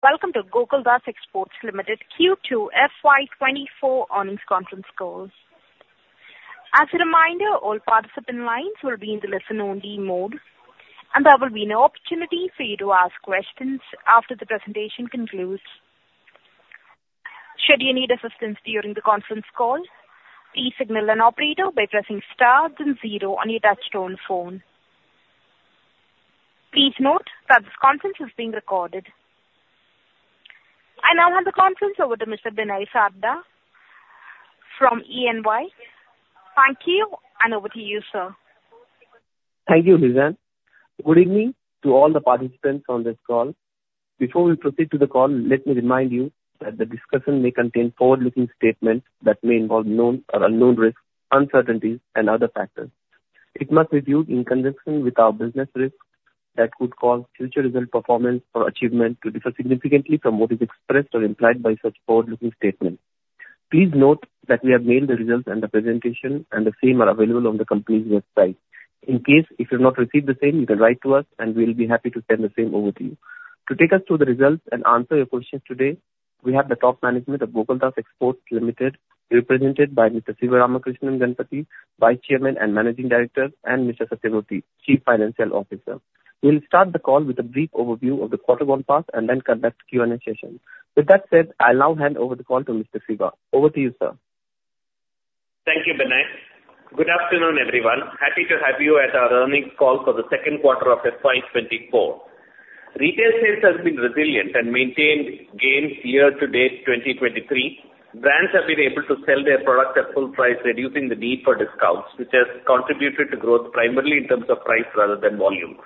Welcome to Gokaldas Exports Limited Q2 FY 2024 earnings conference call. As a reminder, all participant lines will be in the listen-only mode, and there will be no opportunity for you to ask questions after the presentation concludes. Should you need assistance during the conference call, please signal an operator by pressing star then zero on your touchtone phone. Please note that this conference is being recorded. I now hand the conference over to Mr. Binay Sarda from EY. Thank you, and over to you, sir. Thank you, Lizanne. Good evening to all the participants on this call. Before we proceed to the call, let me remind you that the discussion may contain forward-looking statements that may involve known or unknown risks, uncertainties, and other factors. It must be viewed in conjunction with our business risks that could cause future result performance or achievement to differ significantly from what is expressed or implied by such forward-looking statements. Please note that we have mailed the results and the presentation, and the same are available on the company's website. In case you have not received the same, you can write to us, and we'll be happy to send the same over to you. To take us through the results and answer your questions today, we have the top management of Gokaldas Exports Limited, represented by Mr. Sivaramakrishnan Ganapathi, Vice Chairman and Managing Director, and Mr. Sathyamurthy Annamalai, Chief Financial Officer. We'll start the call with a brief overview of the quarter gone past and then conduct Q&A session. With that said, I'll now hand over the call to Mr. Sivaramakrishnan. Over to you, sir. Thank you, Binay. Good afternoon, everyone. Happy to have you at our earnings call for the second quarter of FY 2024. Retail sales has been resilient and maintained gains year-to-date 2023. Brands have been able to sell their products at full price, reducing the need for discounts, which has contributed to growth primarily in terms of price rather than volume.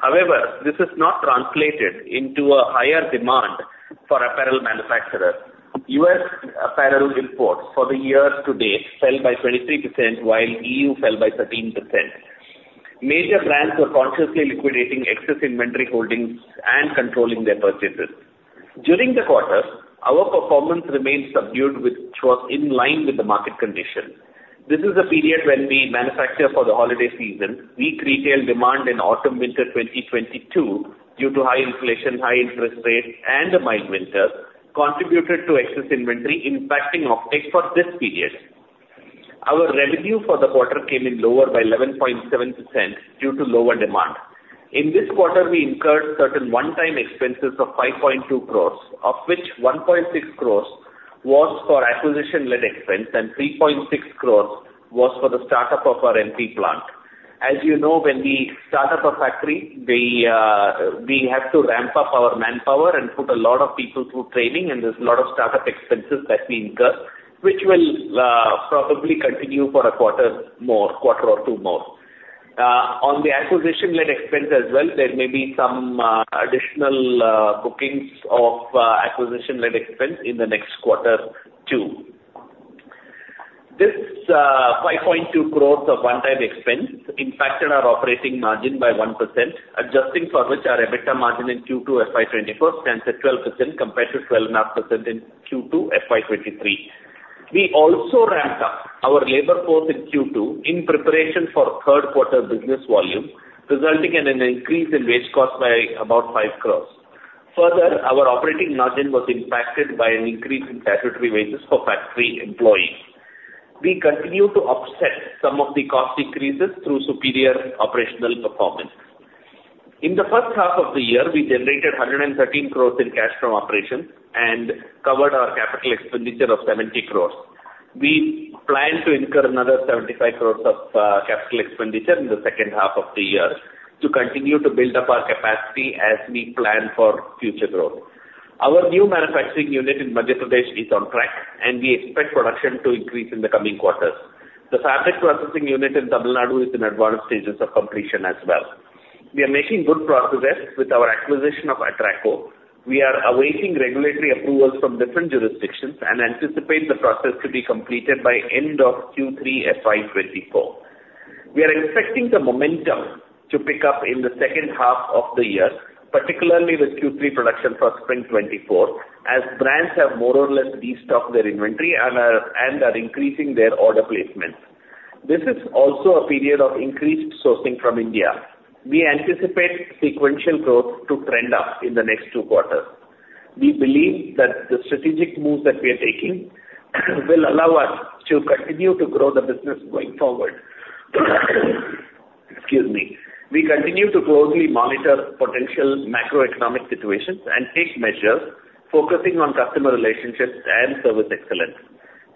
However, this has not translated into a higher demand for apparel manufacturers. U.S. apparel imports for the year-to-date fell by 23%, while E.U. fell by 13%. Major brands are consciously liquidating excess inventory holdings and controlling their purchases. During the quarter, our performance remained subdued, which was in line with the market conditions. This is a period when we manufacture for the holiday season. Weak retail demand in autumn/winter 2022, due to high inflation, high interest rates, and a mild winter, contributed to excess inventory impacting optics for this period. Our revenue for the quarter came in lower by 11.7% due to lower demand. In this quarter, we incurred certain one-time expenses of 5.2 crores, of which 1.6 crores was for acquisition-led expense and 3.6 crore was for the startup of our MP plant. As you know, when we start up a factory, we have to ramp up our manpower and put a lot of people through training, and there's a lot of startup expenses that we incur, which will probably continue for a quarter more, quarter or two more. On the acquisition-led expense as well, there may be some additional bookings of acquisition-led expense in the next quarter, too. This 5.2 crores of one-time expense impacted our operating margin by 1%, adjusting for which our EBITDA margin in Q2 FY 2024 stands at 12% compared to 12.5% in Q2 FY 2023. We also ramped up our labor force in Q2 in preparation for third quarter business volume, resulting in an increase in wage cost by about 5 crores. Further, our operating margin was impacted by an increase in statutory wages for factory employees. We continue to offset some of the cost increases through superior operational performance. In the first half of the year, we generated 113 crores in cash from operations and covered our capital expenditure of 70 crores. We plan to incur another 75 crore of capital expenditure in the second half of the year to continue to build up our capacity as we plan for future growth. Our new manufacturing unit in Madhya Pradesh is on track, and we expect production to increase in the coming quarters. The fabric processing unit in Tamil Nadu is in advanced stages of completion as well. We are making good progress with our acquisition of Atraco. We are awaiting regulatory approvals from different jurisdictions and anticipate the process to be completed by end of Q3 FY 2024. We are expecting the momentum to pick up in the second half of the year, particularly with Q3 production for spring 2024, as brands have more or less destocked their inventory and are, and are increasing their order placements. This is also a period of increased sourcing from India. We anticipate sequential growth to trend up in the next two quarters. We believe that the strategic moves that we are taking, will allow us to continue to grow the business going forward. Excuse me. We continue to closely monitor potential macroeconomic situations and take measures focusing on customer relationships and service excellence.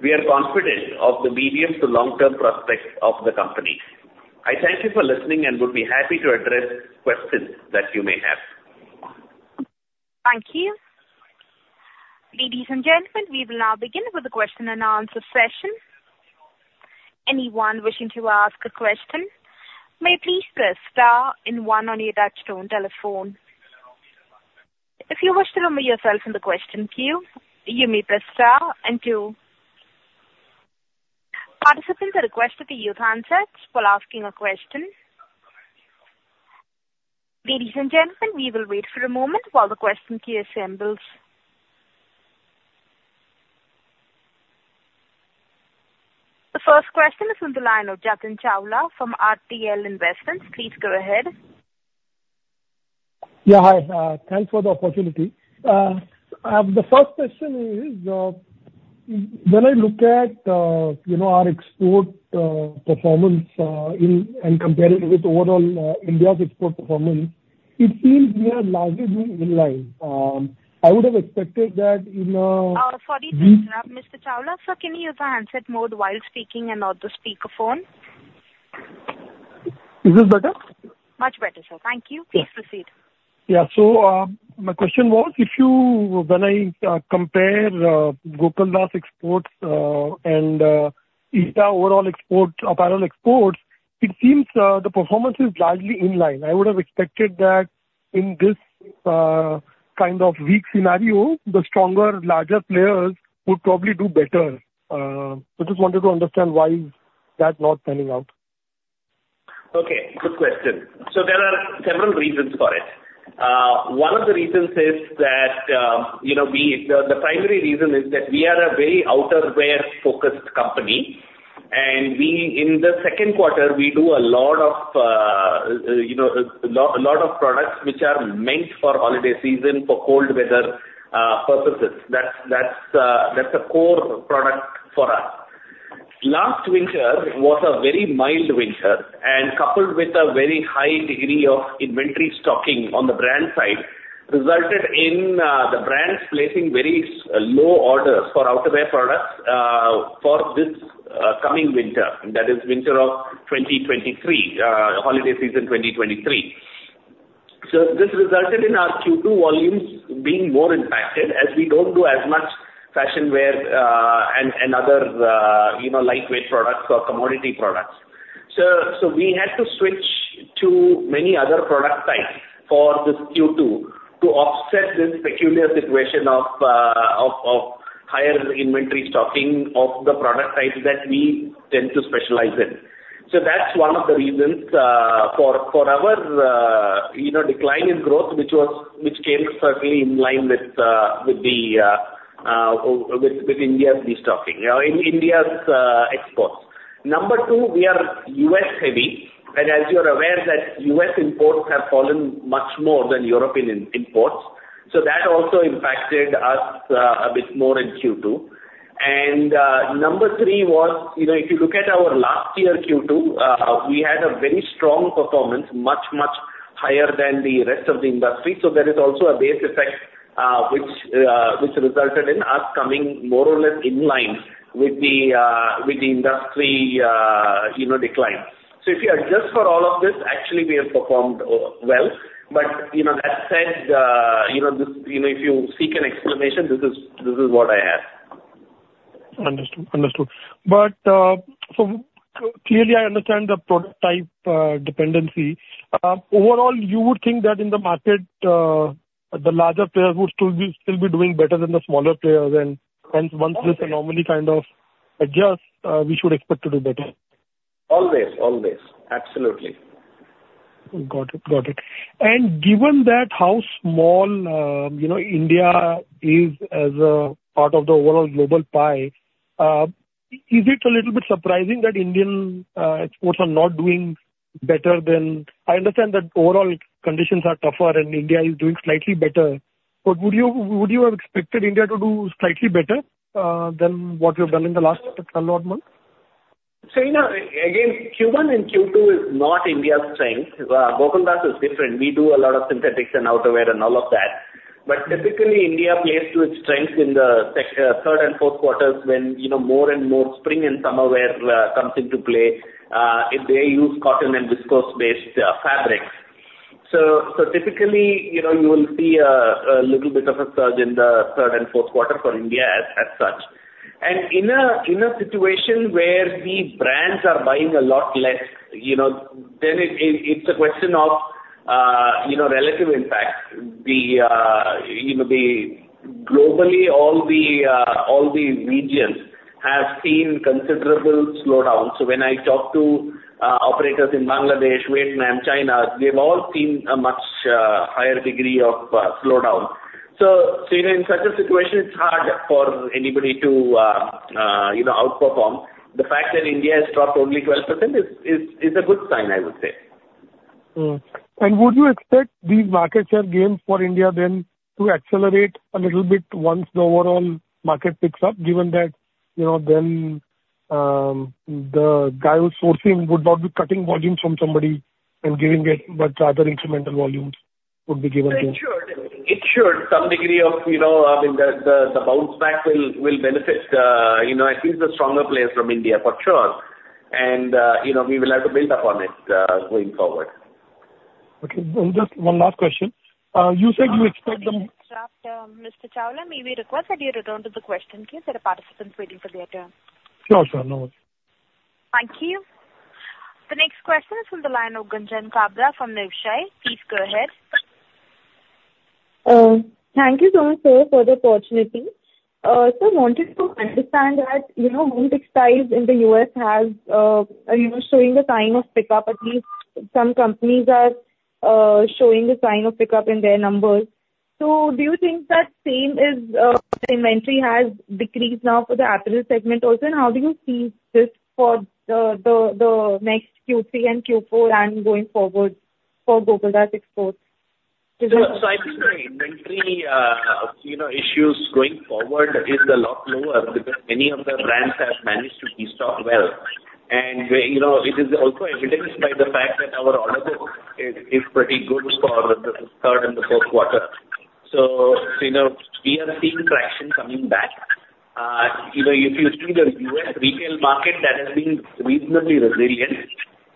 We are confident of the medium to long-term prospects of the company. I thank you for listening and would be happy to address questions that you may have. Thank you. Ladies and gentlemen, we will now begin with the question and answer session. Anyone wishing to ask a question, may please press star and one on your touchtone telephone. If you wish to remove yourself from the question queue, you may press star and two. Participants are requested to use handsets while asking a question. Ladies and gentlemen, we will wait for a moment while the question queue assembles. The first question is from the line of Jatin Chawla from RTL Investments. Please go ahead. Yeah, hi. Thanks for the opportunity. The first question is, when I look at, you know, our export performance, in and comparing it with overall, India's export performance, it seems we are largely in line. I would have expected that, you know- Sorry to interrupt, Mr. Chawla. Sir, can you use the handset mode while speaking and not the speaker phone? Is this better? Much better, sir. Thank you. Please proceed. Yeah. So, my question was, if you... When I compare Gokaldas Exports and India overall exports, apparel exports, it seems the performance is largely in line. I would have expected that in this kind of weak scenario, the stronger, larger players would probably do better. I just wanted to understand why that's not panning out. Okay, good question. So there are several reasons for it. One of the reasons is that, you know, the primary reason is that we are a very outerwear-focused company, and we, in the second quarter, we do a lot of, you know, a lot of products which are meant for holiday season, for cold weather purposes. That's a core product for us. Last winter was a very mild winter, and coupled with a very high degree of inventory stocking on the brand side, resulted in the brands placing very low orders for outerwear products for this coming winter, that is winter of 2023, holiday season 2023. So this resulted in our Q2 volumes being more impacted, as we don't do as much fashion wear, and other, you know, lightweight products or commodity products. So we had to switch to many other product types for this Q2 to offset this peculiar situation of higher inventory stocking of the product types that we tend to specialize in. So that's one of the reasons for our, you know, decline in growth, which came certainly in line with India's destocking in India's exports. Number two, we are U.S. heavy, and as you're aware that U.S. imports have fallen much more than European imports, so that also impacted us a bit more in Q2. Number three was, you know, if you look at our last year Q2, we had a very strong performance, much, much higher than the rest of the industry. So there is also a base effect, which resulted in us coming more or less in line with the, with the industry, you know, decline. So if you adjust for all of this, actually we have performed, well. But, you know, that said, you know, this, you know, if you seek an explanation, this is, this is what I have. Understood. Understood. But, so clearly, I understand the product type dependency. Overall, you would think that in the market, the larger players would still be, still be doing better than the smaller players, and, and once this anomaly kind of adjusts, we should expect to do better? Always. Always. Absolutely. Got it. Got it. And given that how small, you know, India is as a part of the overall global pie, is it a little bit surprising that Indian exports are not doing better than... I understand that overall conditions are tougher and India is doing slightly better, but would you, would you have expected India to do slightly better than what you've done in the last 12 months? So, you know, again, Q1 and Q2 is not India's strength. Gokaldas is different. We do a lot of synthetics and outerwear and all of that. But typically, India plays to its strength in the second, third and fourth quarters when, you know, more and more spring and summer wear comes into play if they use cotton and viscose-based fabrics. So, typically, you know, you will see a little bit of a surge in the third and fourth quarter for India as such. And in a situation where the brands are buying a lot less, you know, then it, it's a question of relative impact. You know, globally, all the regions have seen considerable slowdown. So when I talk to operators in Bangladesh, Vietnam, China, they've all seen a much higher degree of slowdown. So in such a situation, it's hard for anybody to, you know, outperform. The fact that India has dropped only 12% is a good sign, I would say. Hmm. Would you expect these market share gains for India then to accelerate a little bit once the overall market picks up, given that, you know, then, the guy who's sourcing would not be cutting volumes from somebody and giving it, but rather incremental volumes would be given to him? It should. It should. Some degree of, you know, I mean, the bounce back will benefit, you know, at least the stronger players from India for sure. And, you know, we will have to build upon it, going forward. Okay. And just one last question. You said you expect the- Mr. Chawla, may we request that you return to the question queue? There are participants waiting for their turn. Sure, sure. No worries. Thank you. The next question is from the line of Gunjan Kabra from Niveshaay. Please go ahead. Thank you so much, sir, for the opportunity. Sir, wanted to understand that, you know, home textiles in the U.S. has, you know, showing the sign of pickup, at least some companies are showing the sign of pickup in their numbers. So do you think that same is, the inventory has decreased now for the apparel segment also? And how do you see this for the next Q3 and Q4 and going forward for Gokaldas Exports? So, I think the inventory, you know, issues going forward is a lot lower because many of the brands have managed to de-stock well. And, you know, it is also evidenced by the fact that our order book is pretty good for the third and the fourth quarter. So, you know, we are seeing traction coming back. You know, if you see the U.S. retail market, that has been reasonably resilient,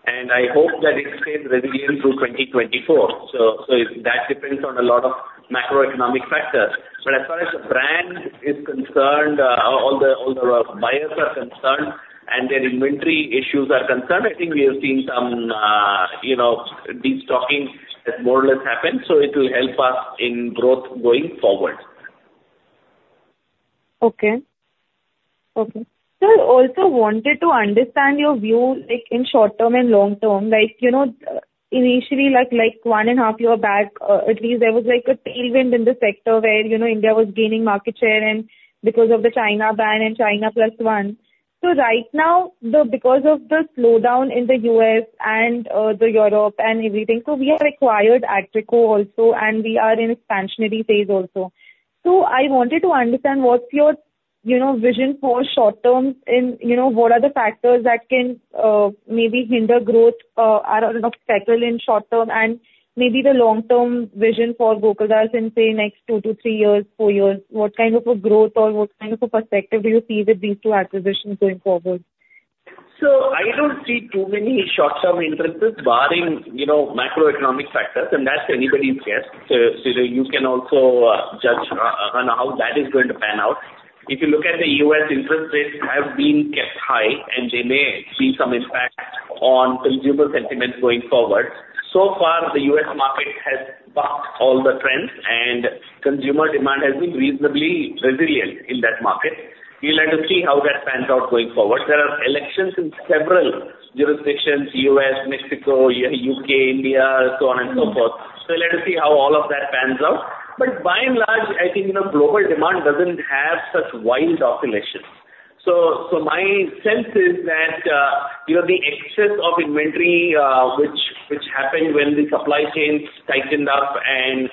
and I hope that it stays resilient through 2024. So, that depends on a lot of macroeconomic factors. But as far as the brand is concerned, all the buyers are concerned and their inventory issues are concerned, I think we have seen some, you know, de-stocking that more or less happened, so it will help us in growth going forward. Okay. Okay. Sir, I also wanted to understand your view, like, in short term and long term. Like, you know, initially, like, one and a half year back, at least there was, like, a tailwind in the sector where, you know, India was gaining market share and because of the China ban and China Plus One. So right now, the because of the slowdown in the U.S. and, the Europe and everything, so we have acquired Atraco also, and we are in expansionary phase also. So I wanted to understand what's your, you know, vision for short term and, you know, what are the factors that can, maybe hinder growth, or, you know, cycle in short term and maybe the long term vision for Gokaldas in, say, next two to three years, four years? What kind of a growth or what kind of a perspective do you see with these two acquisitions going forward? So I don't see too many short-term influences barring, you know, macroeconomic factors, and that's anybody's guess. So you can also judge on how that is going to pan out. If you look at the U.S. interest rates have been kept high, and they may see some impact on consumer sentiment going forward. So far, the U.S. market has bucked all the trends, and consumer demand has been reasonably resilient in that market. We'll have to see how that pans out going forward. There are elections in several jurisdictions: U.S., Mexico, U.K., India, so on and so forth. So let us see how all of that pans out. But by and large, I think, you know, global demand doesn't have such wild oscillations. So my sense is that, you know, the excess of inventory, which happened when the supply chains tightened up and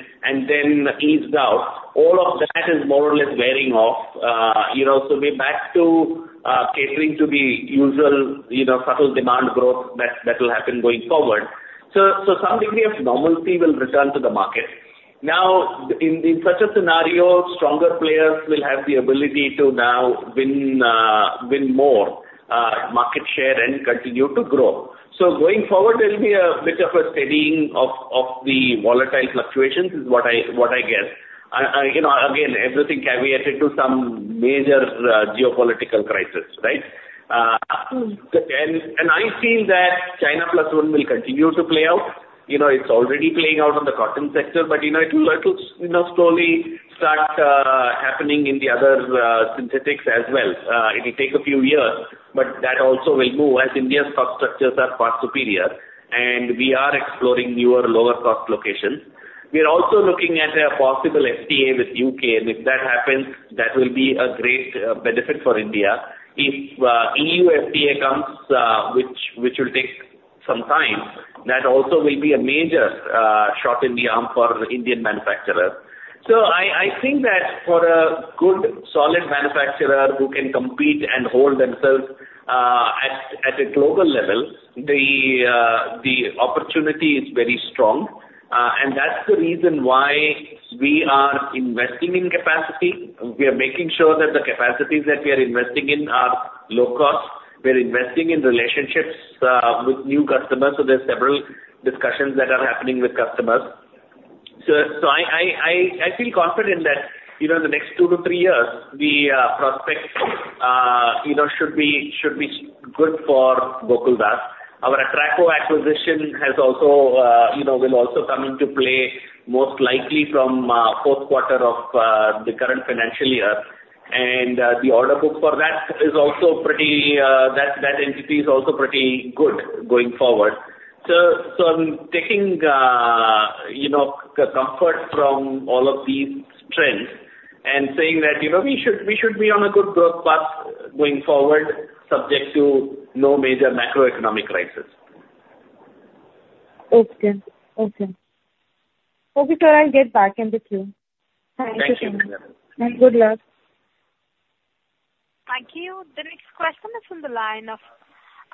then eased out, all of that is more or less wearing off. You know, so we're back to catering to the usual, you know, subtle demand growth that will happen going forward. So some degree of normalcy will return to the market. Now, in such a scenario, stronger players will have the ability to now win more market share and continue to grow. So going forward, there will be a bit of a steadying of the volatile fluctuations, is what I guess. You know, again, everything caveated to some major geopolitical crisis, right? And I feel that China Plus One will continue to play out. You know, it's already playing out on the cotton sector, but, you know, it will, it will, you know, slowly start happening in the other synthetics as well. It may take a few years, but that also will move as India's cost structures are far superior, and we are exploring newer, lower cost locations. We are also looking at a possible FTA with U.K., and if that happens, that will be a great benefit for India. If E.U. FTA comes, which will take some time, that also will be a major shot in the arm for Indian manufacturers. So I think that for a good, solid manufacturer who can compete and hold themselves at a global level, the opportunity is very strong. And that's the reason why we are investing in capacity. We are making sure that the capacities that we are investing in are low cost. We're investing in relationships with new customers, so there's several discussions that are happening with customers. So I feel confident that, you know, the next two to three years, the prospects, you know, should be good for Gokaldas. Our Atraco acquisition has also, you know, will also come into play, most likely from fourth quarter of the current financial year. And the order book for that is also pretty. That entity is also pretty good going forward. So I'm taking, you know, comfort from all of these trends and saying that, you know, we should be on a good growth path going forward, subject to no major macroeconomic crisis. Okay. Okay. Okay, sir, I'll get back into queue. Thank you. Thank you so much, and good luck. Thank you. The next question is from the line of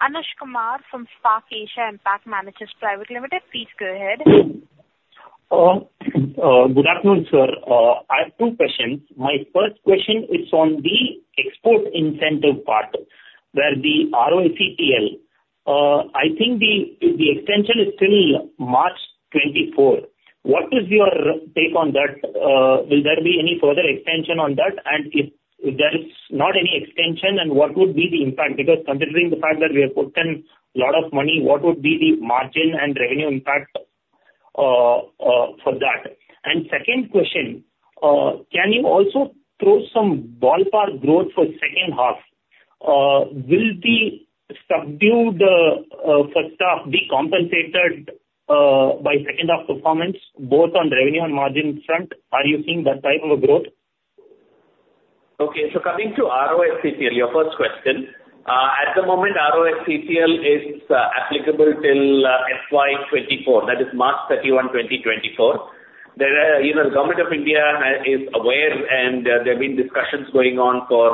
Anuj Kumar from Spark Asia Impact Managers Private Limited. Please go ahead. Good afternoon, sir. I have two questions. My first question is on the export incentive part, where the RoSCTL, I think the, the extension is till March 2024. What is your take on that? Will there be any further extension on that? And if there is not any extension, then what would be the impact? Because considering the fact that we have put in a lot of money, what would be the margin and revenue impact, for that? And second question, can you also throw some ballpark growth for second half? Will the subdued, first half be compensated, by second half performance, both on revenue and margin front? Are you seeing that type of a growth? Okay, so coming to RoSCTL, your first question. At the moment, RoSCTL is applicable till FY 2024, that is March 31, 2024. There are, you know, Government of India is aware, and there have been discussions going on for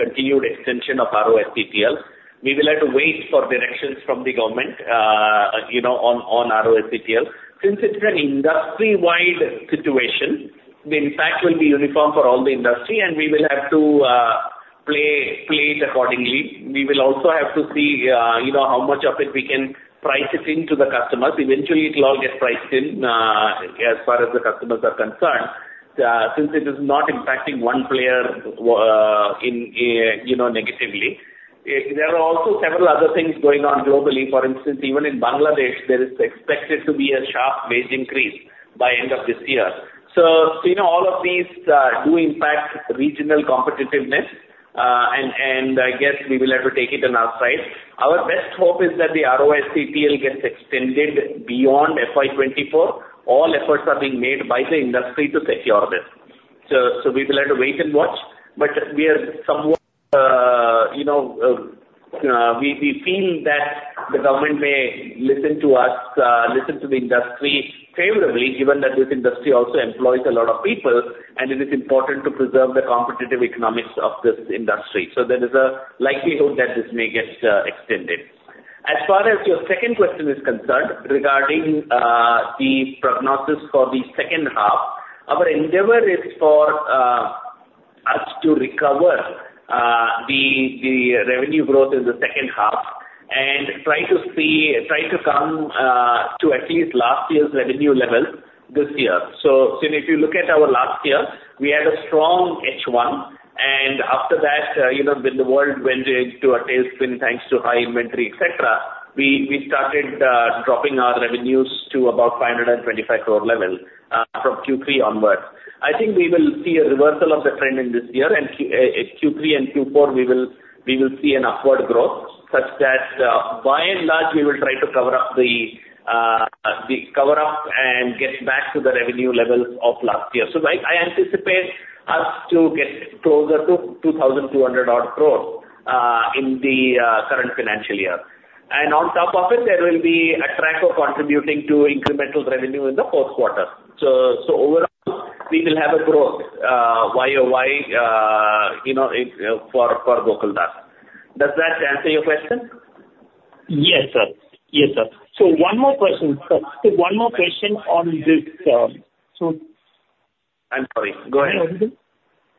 continued extension of RoSCTL. We will have to wait for directions from the government, you know, on RoSCTL. Since it's an industry-wide situation, the impact will be uniform for all the industry, and we will have to play it accordingly. We will also have to see, you know, how much of it we can price it into the customers. Eventually, it'll all get priced in, as far as the customers are concerned, since it is not impacting one player, in, you know, negatively. There are also several other things going on globally. For instance, even in Bangladesh, there is expected to be a sharp wage increase by end of this year. So, you know, all of these do impact regional competitiveness, and I guess we will have to take it on our side. Our best hope is that the RoSCTL gets extended beyond FY 2024. All efforts are being made by the industry to secure this. So we will have to wait and watch, but we are somewhat, you know, we feel that the government may listen to us, listen to the industry favorably, given that this industry also employs a lot of people, and it is important to preserve the competitive economics of this industry. So there is a likelihood that this may get extended. As far as your second question is concerned, regarding the prognosis for the second half, our endeavor is for us to recover the revenue growth in the second half and try to come to at least last year's revenue level this year. So if you look at our last year, we had a strong H1, and after that, you know, when the world went into a tailspin, thanks to high inventory, et cetera, we started dropping our revenues to about 525 crore level from Q3 onwards. I think we will see a reversal of the trend in this year, and Q, Q3 and Q4, we will, we will see an upward growth, such that, by and large, we will try to cover up the, the cover up and get back to the revenue levels of last year. So I, I anticipate us to get closer to 2,200-odd crore, in the, current financial year. And on top of it, there will be Atraco contributing to incremental revenue in the fourth quarter. So, so overall, we will have a growth, YoY, you know, in, for, for Gokaldas. Does that answer your question? Yes, sir. Yes, sir. So one more question, sir. So one more question on this, I'm sorry. Go ahead.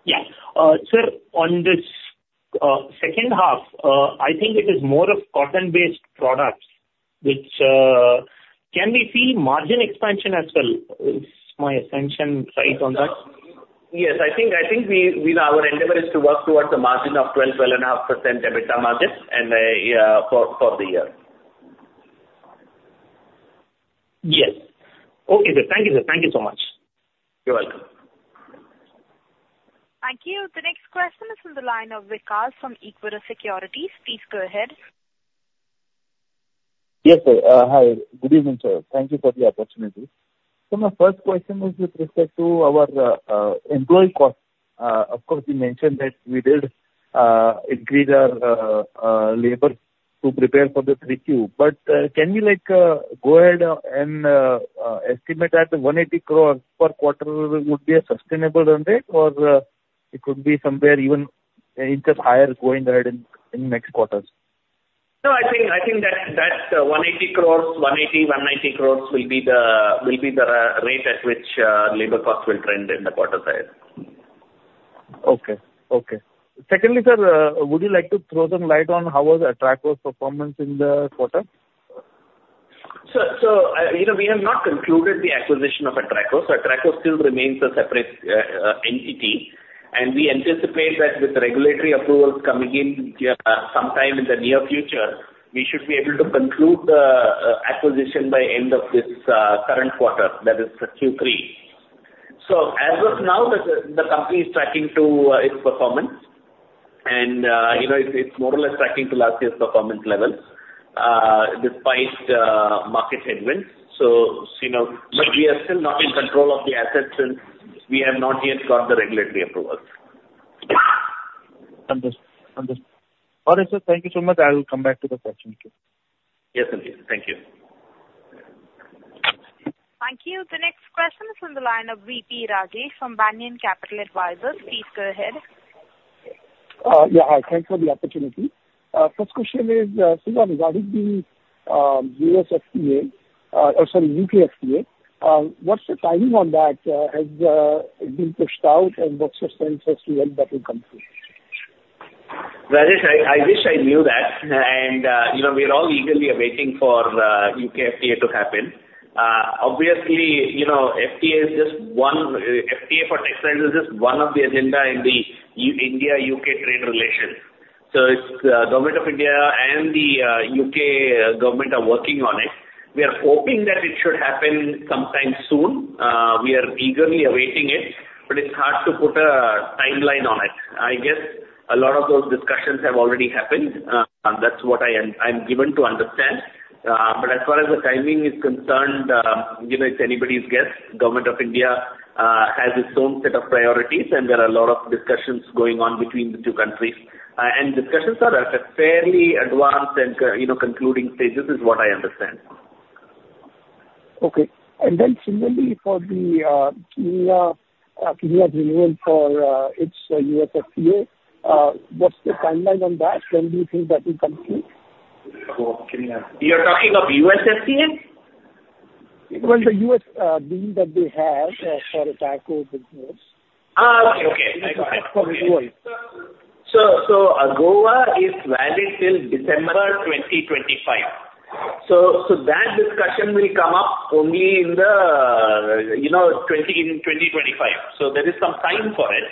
Yeah. Sir, on this second half, I think it is more of cotton-based products, which... Can we see margin expansion as well? Is my assumption right on that? Yes, I think we, our endeavor is to work towards the margin of 12%-12.5% EBITDA margin and, yeah, for the year. Yes. Okay, sir. Thank you, sir. Thank you so much. You're welcome. Thank you. The next question is on the line of Vikas from Equirus Securities. Please go ahead. Yes, sir. Hi, good evening, sir. Thank you for the opportunity. So my first question was with respect to our employee cost. Of course, you mentioned that we did increase our labor to prepare for the 3Q. But can you, like, estimate at the 180 crores per quarter would be a sustainable run rate, or it could be somewhere even an inch higher going ahead in next quarters? No, I think that 180 crores-190 crores will be the rate at which labor costs will trend in the quarter side. Okay. Okay. Secondly, sir, would you like to throw some light on how was Atraco's performance in the quarter? Sir, so, you know, we have not concluded the acquisition of Atraco. So Atraco still remains a separate entity, and we anticipate that with regulatory approvals coming in sometime in the near future, we should be able to conclude the acquisition by end of this current quarter, that is, the Q3. So as of now, the company is tracking to its performance and, you know, it's more or less tracking to last year's performance level despite market headwinds. So, you know, but we are still not in control of the assets since we have not yet got the regulatory approvals. Understood. Understood. All right, sir, thank you so much. I will come back to the question later. Yes, indeed. Thank you. Thank you. The next question is on the line of VP Rajesh from Banyan Capital Advisors. Please go ahead. Yeah, hi. Thank you for the opportunity. First question is, so regarding the U.S. FTA, or sorry, U.K. FTA, what's the timing on that? Has it been pushed out, and what's your sense as to when that will come through? Rajesh, I wish I knew that. And, you know, we are all eagerly awaiting for U.K. FTA to happen. Obviously, you know, FTA is just one, FTA for textile is just one of the agenda in the India-U.K. trade relations. So it's Government of India and the U.K. government are working on it. We are hoping that it should happen sometime soon. We are eagerly awaiting it, but it's hard to put a timeline on it. I guess a lot of those discussions have already happened, and that's what I'm given to understand. But as far as the timing is concerned, you know, it's anybody's guess. Government of India has its own set of priorities, and there are a lot of discussions going on between the two countries. Discussions are at a fairly advanced and concluding stages, is what I understand. Okay. Similarly, for Kenya's renewal for its AGOA, what's the timeline on that? When do you think that will complete? For Kenya. You're talking of U.S. FTA? Well, the U.S. deal that they have for the Atraco business. Ah, okay, okay. I got it. For the U.S. So, AGOA is valid till December 2025. So, that discussion will come up only in the, you know, 2025. So there is some time for it.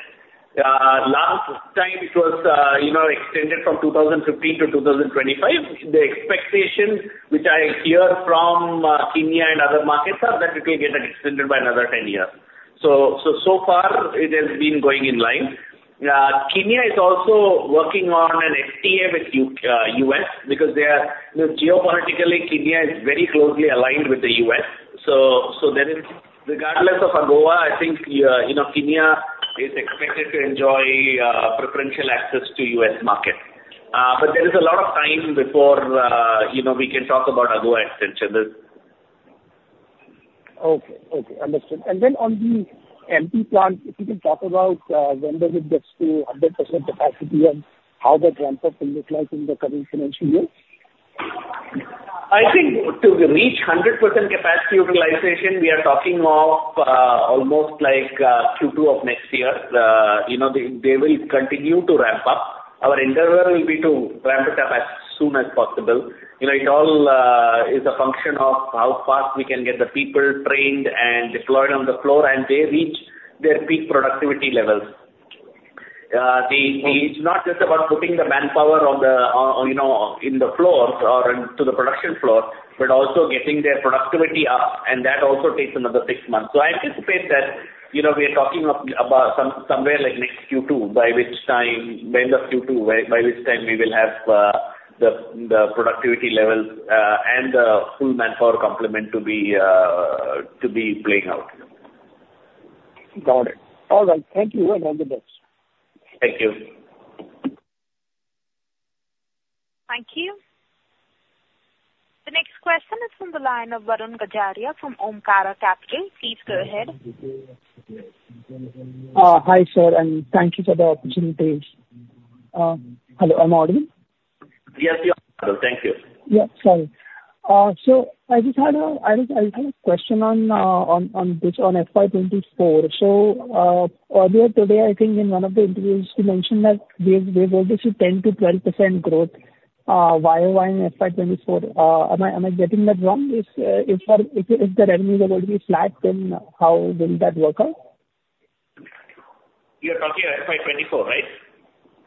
Last time it was, you know, extended from 2015 to 2025. The expectation, which I hear from, Kenya and other markets, are that it will get extended by another 10 years. So, so far it has been going in line. Kenya is also working on an FTA with the U.S., because they are... You know, geopolitically, Kenya is very closely aligned with the U.S. So, there is, regardless of AGOA, I think, you know, Kenya is expected to enjoy, preferential access to the U.S. market. But there is a lot of time before, you know, we can talk about AGOA extension. Okay. Okay, understood. And then on the MP plant, if you can talk about when it will get to 100% capacity and how the ramp up will look like in the coming financial year? I think to reach 100% capacity utilization, we are talking of almost like Q2 of next year. You know, they, they will continue to ramp up. Our endeavor will be to ramp it up as soon as possible. You know, it all is a function of how fast we can get the people trained and deployed on the floor, and they reach their peak productivity levels. The, it's not just about putting the manpower on the, on, you know, in the floors or into the production floor, but also getting their productivity up, and that also takes another six months. So I anticipate that, you know, we are talking about somewhere like next Q2, by which time, end of Q2, by which time we will have the productivity levels and the full manpower complement to be playing out. Got it. All right. Thank you, and all the best. Thank you. Thank you. The next question is from the line of Varun Gajaria from Omkara Capital. Please go ahead. Hi, sir, and thank you for the opportunity. Hello, am I audible? Yes, we are. Thank you. Yeah, sorry. So I just had a question on this, on FY 2024. So, earlier today, I think in one of the interviews, you mentioned that we are going to see 10%-12% growth, YoY in FY 2024. Am I getting that wrong? If our revenues are going to be flat, then how will that work out? You're talking of FY 2024, right?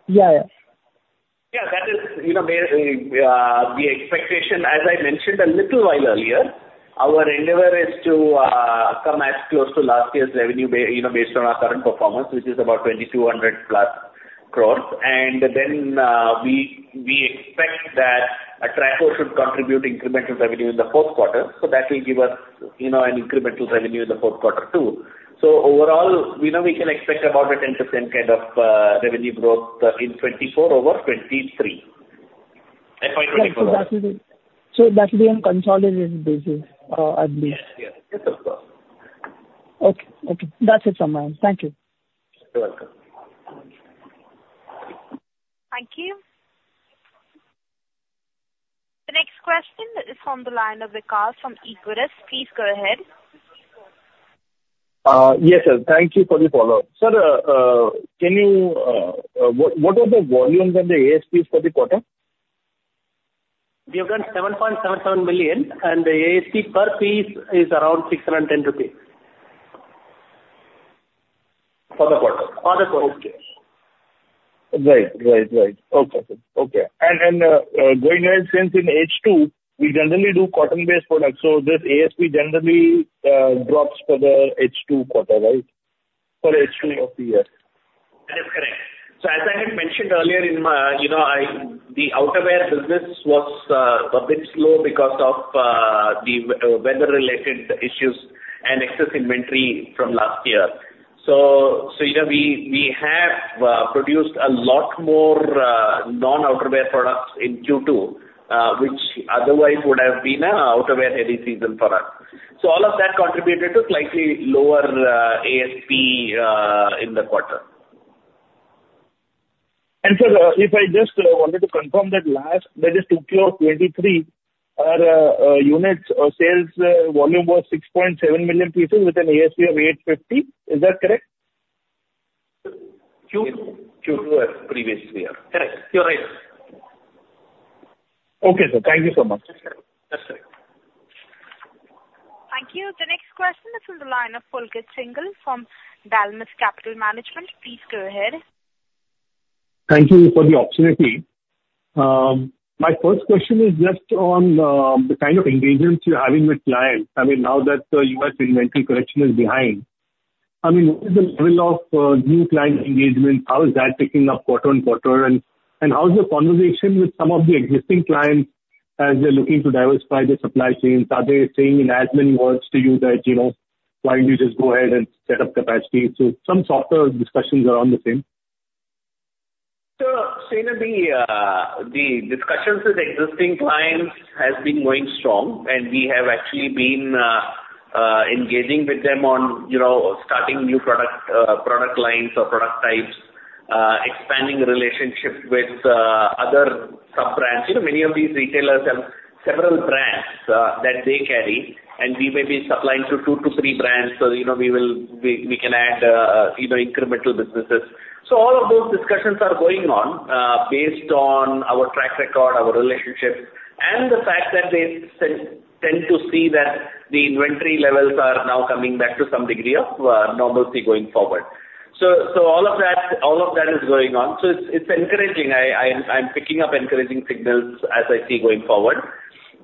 Yeah, yeah. Yeah, that is, you know, the expectation, as I mentioned a little while earlier, our endeavor is to come as close to last year's revenue based on our current performance, which is about 2,200+ crore. And then, we, we expect that Atraco should contribute incremental revenue in the fourth quarter. So that will give us, you know, an incremental revenue in the fourth quarter, too. So overall, you know, we can expect about a 10% kind of revenue growth in 2024 over 2023. FY 2024- So that will be on consolidated basis, at least? Yes, yes. Yes, of course. Okay. Okay, that's it from my end. Thank you. You're welcome. Thank you. The next question is from the line of Vikas from Equirus. Please go ahead. Yes, sir. Thank you for the follow-up. Sir, what are the volumes and the ASPs for the quarter? We have done 7.77 million, and the ASP per piece is around 610 rupees. For the quarter? For the quarter. Okay. Right. Right. Right. Okay. Okay. And going ahead, since in H2, we generally do cotton-based products, so this ASP generally drops for the H2 quarter, right? For H2 of the year. That is correct. So as I had mentioned earlier in my, you know, the outerwear business was a bit slow because of the weather-related issues and excess inventory from last year. So, you know, we have produced a lot more non-outerwear products in Q2, which otherwise would have been a outerwear-heavy season for us. So all of that contributed to slightly lower ASP in the quarter. Sir, if I just wanted to confirm 2Q of 2023, our units sales volume was 6.7 million pieces with an ASP of 850. Is that correct? Q2, Q2 of previous year. Correct. You're right. Okay, sir. Thank you so much. Thank you. The next question is from the line of Pulkit Singhal from Dalmus Capital Management. Please go ahead. Thank you for the opportunity. My first question is just on the kind of engagements you're having with clients. I mean, now that the U.S. inventory correction is behind, I mean, what is the level of new client engagement? How is that picking up quarter-on-quarter? And how is your conversation with some of the existing clients as they're looking to diversify their supply chains? Are they saying in as many words to you that, you know, "Why don't you just go ahead and set up capacity?" So some softer discussions around the same. So, Singhal, the discussions with existing clients has been going strong, and we have actually been engaging with them on, you know, starting new product lines or product types, expanding relationships with other sub-brands. You know, many of these retailers have several brands that they carry, and we may be supplying to two to three brands. So, you know, we can add incremental businesses. So all of those discussions are going on based on our track record, our relationships, and the fact that they tend to see that the inventory levels are now coming back to some degree of normalcy going forward. So all of that is going on. So it's encouraging. I'm picking up encouraging signals as I see going forward.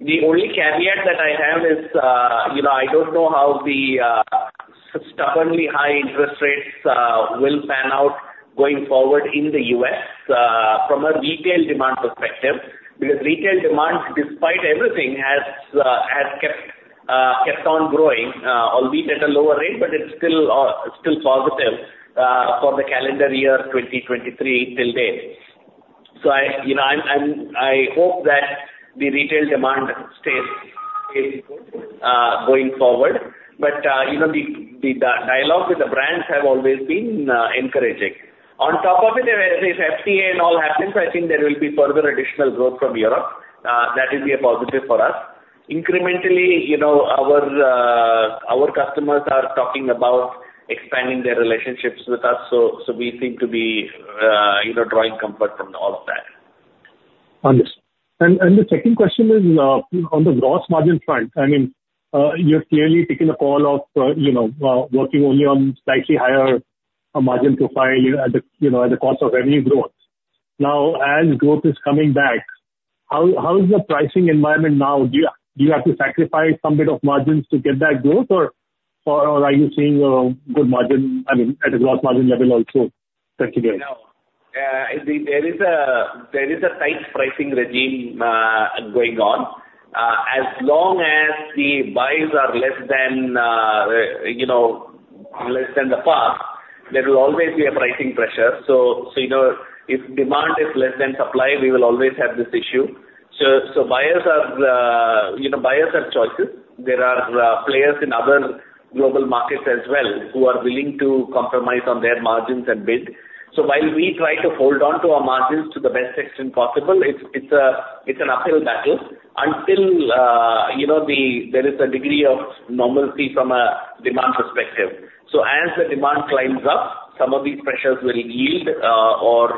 The only caveat that I have is, you know, I don't know how the stubbornly high interest rates will pan out going forward in the U.S. from a retail demand perspective, because retail demand, despite everything, has kept on growing, albeit at a lower rate, but it's still positive for the calendar year 2023 till date. So I, you know, I'm, I'm—I hope that the retail demand stays going forward. But, you know, the dialogue with the brands have always been encouraging. On top of it, if FTA and all happens, I think there will be further additional growth from Europe. That will be a positive for us. Incrementally, you know, our customers are talking about expanding their relationships with us, so we seem to be, you know, drawing comfort from all of that. Understood. And the second question is, on the gross margin front, I mean, you're clearly taking a call of, you know, working only on slightly higher margin profile, you know, at the, you know, at the cost of revenue growth. Now, as growth is coming back, how is the pricing environment now? Do you have to sacrifice some bit of margins to get that growth, or are you seeing good margin, I mean, at a gross margin level also continuing? No. There is a tight pricing regime going on. As long as the buys are less than, you know, less than the past, there will always be a pricing pressure. So, you know, if demand is less than supply, we will always have this issue. So buyers have, you know, choices. There are players in other global markets as well, who are willing to compromise on their margins and bid. So while we try to hold on to our margins to the best extent possible, it's an uphill battle until, you know, there is a degree of normalcy from a demand perspective. So as the demand climbs up, some of these pressures will yield, or,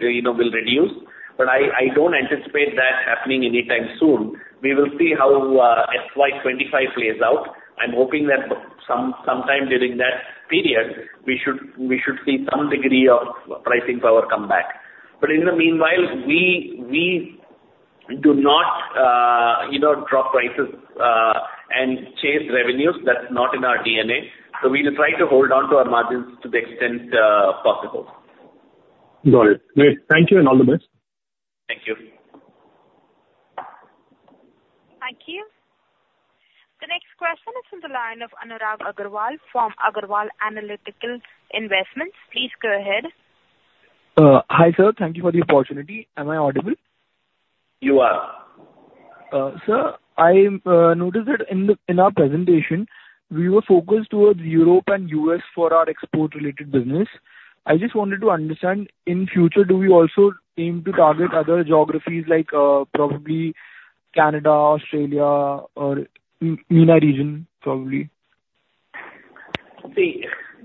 you know, will reduce. But I don't anticipate that happening anytime soon. We will see how FY 2025 plays out. I'm hoping that sometime during that period, we should see some degree of pricing power come back. But in the meanwhile, we do not, you know, drop prices and chase revenues. That's not in our DNA. So we will try to hold on to our margins to the extent possible. Got it. Great. Thank you, and all the best. Thank you. Thank you. The next question is from the line of Anurag Agarwal from Agarwal Analytical Investments. Please go ahead. Hi, sir. Thank you for the opportunity. Am I audible? You are. Sir, I noticed that in the, in our presentation, we were focused towards Europe and U.S. for our export-related business. I just wanted to understand, in future, do we also aim to target other geographies like, probably Canada, Australia, or MENA region, probably? See,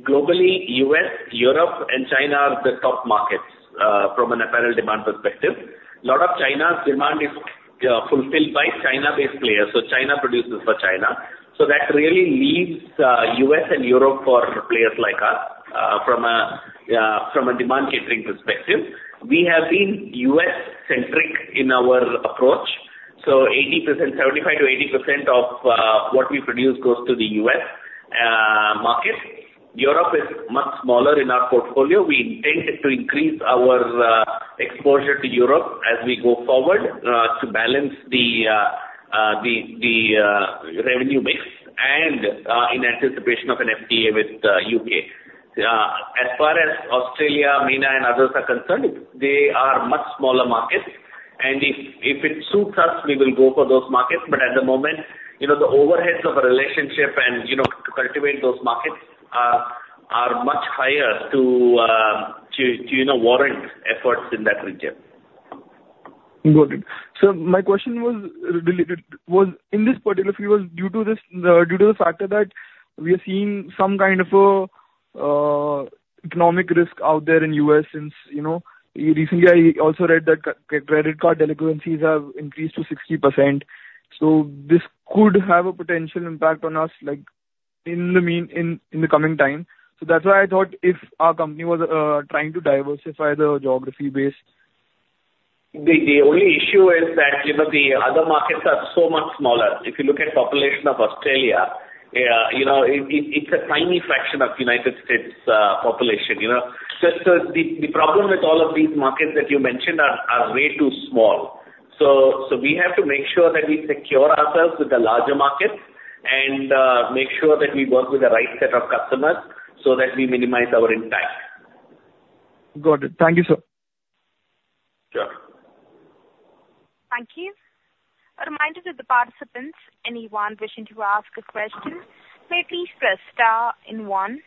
globally, U.S., Europe, and China are the top markets from an apparel demand perspective. A lot of China's demand is fulfilled by China-based players, so China produces for China. So that really leaves U.S. and Europe for players like us from a demand catering perspective. We have been U.S.-centric in our approach, so 80%... 75%-80% of what we produce goes to the U.S. market. Europe is much smaller in our portfolio. We intend to increase our exposure to Europe as we go forward to balance the revenue mix and in anticipation of an FTA with U.K. As far as Australia, MENA, and others are concerned, they are much smaller markets, and if it suits us, we will go for those markets. But at the moment, you know, the overheads of a relationship and, you know, to cultivate those markets are much higher to, to, you know, warrant efforts in that region. Got it. So my question was related, was in this particular case, was due to this, due to the factor that we are seeing some kind of a-... economic risk out there in the U.S., since, you know, recently I also read that credit card delinquencies have increased to 60%, so this could have a potential impact on us, like, in the meantime, in the coming time. So that's why I thought if our company was trying to diversify the geography base. The only issue is that, you know, the other markets are so much smaller. If you look at population of Australia, you know, it's a tiny fraction of United States population, you know? So the problem with all of these markets that you mentioned are way too small. So we have to make sure that we secure ourselves with the larger markets and make sure that we work with the right set of customers so that we minimize our impact. Got it. Thank you, sir. Sure. Thank you. A reminder to the participants, anyone wishing to ask a question, may please press star and one.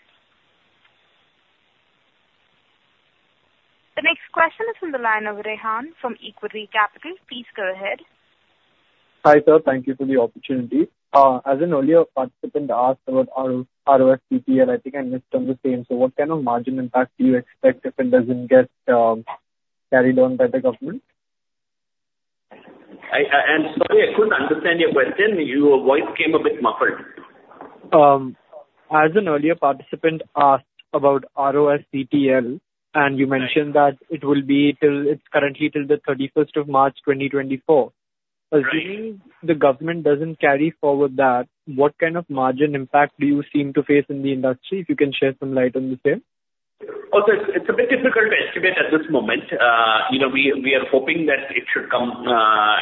The next question is on the line of Rehan from Equitree Capital. Please go ahead. Hi, sir. Thank you for the opportunity. As an earlier participant asked about RoSCTL, I think I missed on the same. So what kind of margin impact do you expect if it doesn't get carried on by the government? I'm sorry, I couldn't understand your question. Your voice came a bit muffled. As an earlier participant asked about RoSCTL, and you mentioned- Right. - that it will be till, it's currently till the 31st of March, 2024. Right. Assuming the government doesn't carry forward that, what kind of margin impact do you seem to face in the industry? If you can shed some light on the same. Oh, so it's a bit difficult to estimate at this moment. You know, we are hoping that it should come,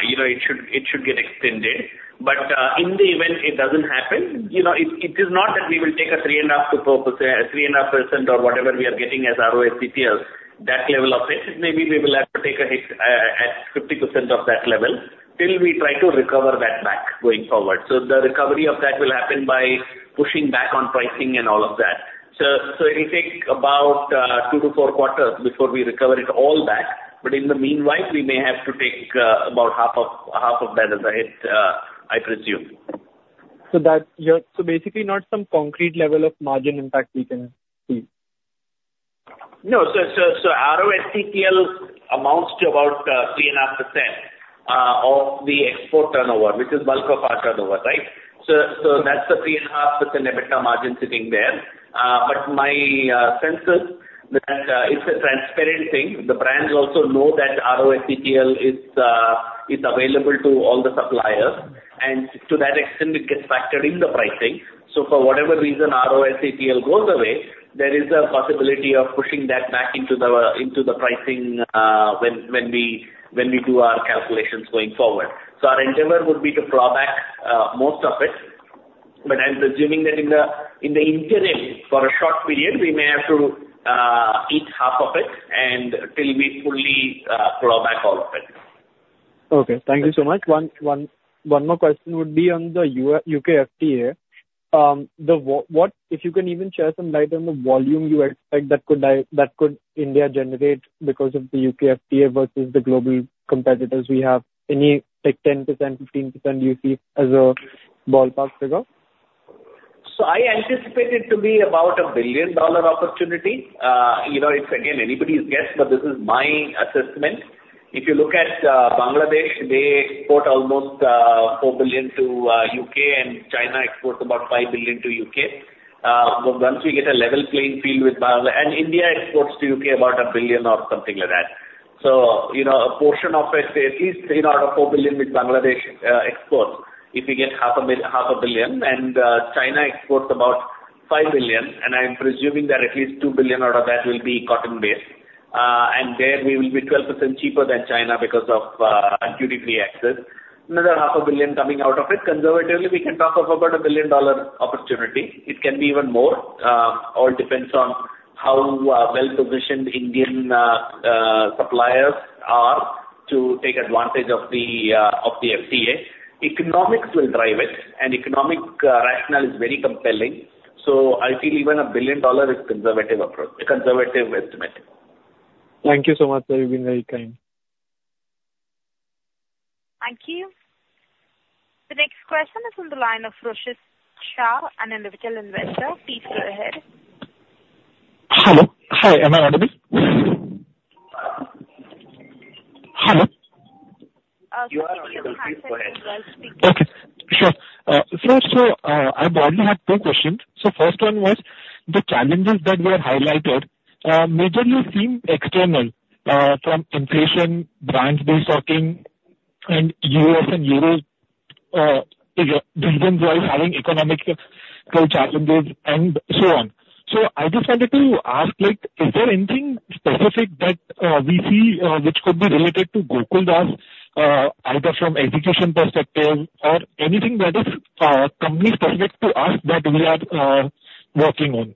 you know, it should get extended. But in the event it doesn't happen, you know, it is not that we will take a 3.5%-4%, 3.5% or whatever we are getting as RoSCTL, that level of hit. Maybe we will have to take a hit at 50% of that level, till we try to recover that back, going forward. So the recovery of that will happen by pushing back on pricing and all of that. So it'll take about two-four quarters before we recover it all back. But in the meanwhile, we may have to take about half of that as a hit, I presume. So basically not some concrete level of margin impact we can see? No. So, so, so RoSCTL amounts to about 3.5% of the export turnover, which is bulk of our turnover, right? So, so that's the 3.5% EBITDA margin sitting there. But my sense is that it's a transparent thing. The brands also know that RoSCTL is available to all the suppliers, and to that extent, it gets factored in the pricing. So for whatever reason, RoSCTL goes away, there is a possibility of pushing that back into the pricing when we do our calculations going forward. So our endeavor would be to claw back most of it, but I'm presuming that in the interim, for a short period, we may have to eat half of it and till we fully claw back all of it. Okay, thank you so much. One more question would be on the U.K. FTA. If you can even share some light on the volume you expect that could India generate because of the U.K. FTA versus the global competitors we have. Any, like, 10%, 15% you see as a ballpark figure? So I anticipate it to be about a billion-dollar opportunity. You know, it's, again, anybody's guess, but this is my assessment. If you look at Bangladesh, they export almost $4 billion to U.K., and China exports about $5 billion to U.K. But once we get a level playing field with Bangladesh, and India exports to U.K. about $1 billion or something like that. So, you know, a portion of it, say at least $3 billion out of $4 billion, which Bangladesh exports, if we get $500 million, and China exports about $5 billion, and I'm presuming that at least $2 billion out of that will be cotton-based. And there we will be 12% cheaper than China because of duty-free access. Another $500 million coming out of it. Conservatively, we can talk of about a billion-dollar opportunity. It can be even more. All depends on how well-positioned Indian suppliers are to take advantage of the FTA. Economics will drive it, and economic rationale is very compelling. So I feel even $1 billion is conservative approach, a conservative estimate. Thank you so much, sir. You've been very kind. Thank you. The next question is on the line of Roshit Shah, an individual investor. Please go ahead. Hello. Hi, am I audible? Hello? Sir, you are on mute. Go ahead. Well, speaking. Okay. Sure. So, so, I broadly have two questions. So first one was, the challenges that were highlighted, majorly seem external, from inflation, brands desocking, and U.S. and Euro, regions-wise having economic, challenges and so on. So I just wanted to ask, like, is there anything specific that, we see, which could be related to Gokaldas, either from execution perspective or anything that is, company specific to us that we are, working on?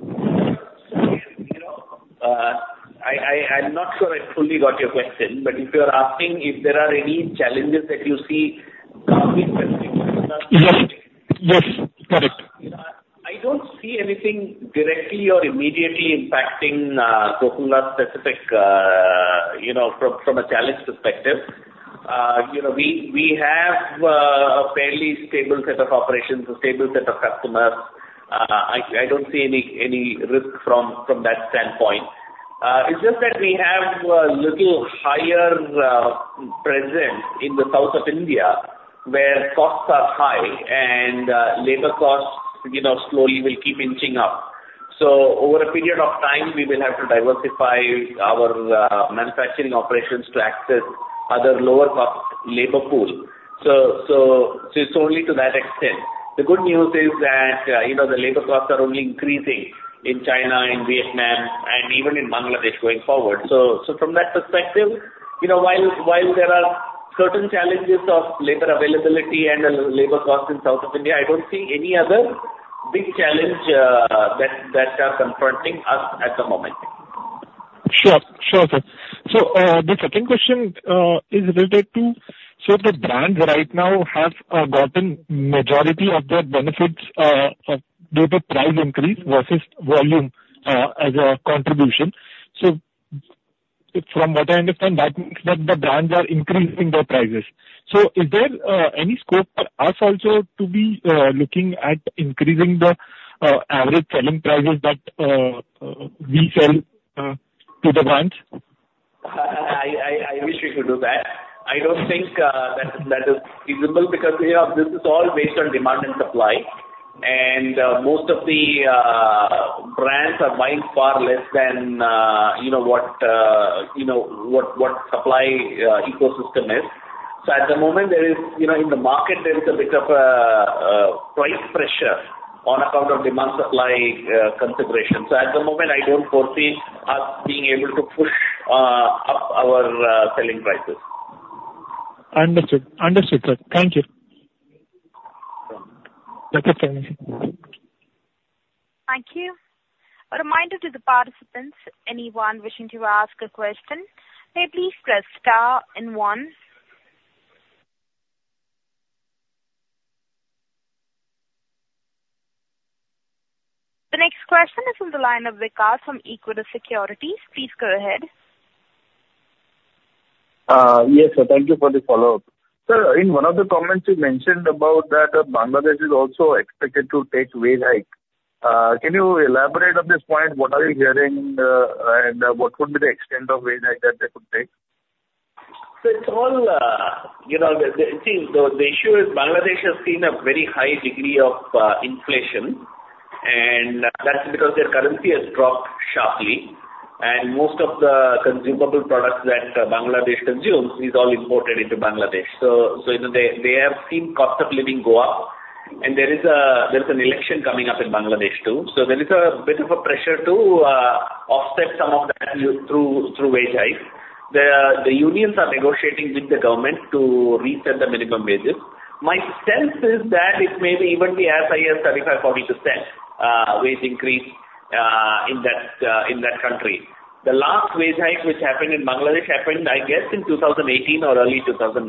You know, I'm not sure I fully got your question, but if you're asking if there are any challenges that you see company specific to Gokaldas- Yes. Yes, correct. You know, I don't see anything directly or immediately impacting Gokaldas specifically, you know, from a challenge perspective. You know, we have a fairly stable set of operations, a stable set of customers. I don't see any risk from that standpoint. It's just that we have a little higher presence in the south of India, where costs are high and labor costs, you know, slowly will keep inching up. So over a period of time, we will have to diversify our manufacturing operations to access other lower cost labor pool. So it's only to that extent. The good news is that, you know, the labor costs are only increasing in China, in Vietnam, and even in Bangladesh, going forward. From that perspective, you know, while there are certain challenges of labor availability and labor costs in south of India, I don't see any other big challenge that are confronting us at the moment. Sure. Sure, sir. So, the second question is related to, so the brands right now have gotten majority of their benefits due to price increase versus volume as a contribution. So from what I understand, that means that the brands are increasing their prices. So is there any scope for us also to be looking at increasing the average selling prices that we sell to the brands? I wish we could do that. I don't think that is feasible because, you know, this is all based on demand and supply, and most of the brands are buying far less than you know what supply ecosystem is. So at the moment, there is, you know, in the market, there is a bit of price pressure on account of demand-supply considerations. So at the moment, I don't foresee us being able to push up our selling prices. Understood. Understood, sir. Thank you. That is fine. Thank you. A reminder to the participants, anyone wishing to ask a question, may please press star and one. The next question is from the line of Vikas from Equirus Securities. Please go ahead. Yes, sir. Thank you for the follow-up. Sir, in one of the comments you mentioned about that Bangladesh is also expected to take wage hike. Can you elaborate on this point? What are you hearing, and what would be the extent of wage hike that they could take? So it's all, you know, See, the issue is Bangladesh has seen a very high degree of inflation, and that's because their currency has dropped sharply, and most of the consumable products that Bangladesh consumes is all imported into Bangladesh. So they have seen cost of living go up, and there is an election coming up in Bangladesh, too. So there is a bit of a pressure to offset some of that through wage hikes. The unions are negotiating with the government to reset the minimum wages. My sense is that it may be even be as high as 35%-40% wage increase in that country. The last wage hike which happened in Bangladesh, I guess, in 2018 or early 2019.